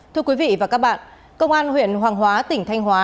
thưa quý vị và các bạn công an huyện hoàng hóa tỉnh thanh hóa